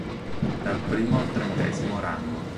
Dal primo al trentesimo rango.